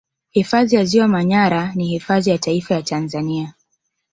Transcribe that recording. Hifadhi ya Ziwa Manyara ni hifadhi ya Taifa ya Tanzania